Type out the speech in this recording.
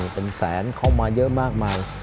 เป็นแสนเข้ามาเยอะมากมาย